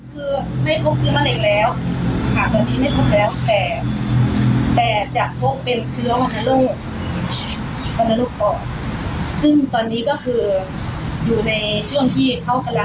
คือไม่พบเชื้อมะเร็งแล้ว